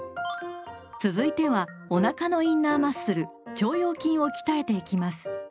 続いてはおなかのインナーマッスル腸腰筋を鍛えていきます。